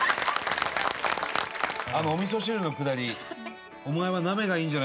あのお味噌汁のくだり。